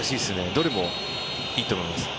どれもいいと思います。